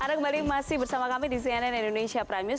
anda kembali masih bersama kami di cnn indonesia prime news